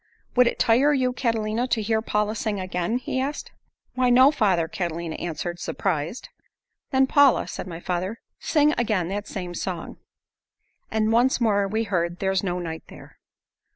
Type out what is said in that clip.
"Would it tire you, Catalina, to hear Paula sing again?" he asked. "Why, no, father," Catalina answered, surprised. "Then, Paula," said my father, "sing again that same song." And once more we heard, "There's no night there."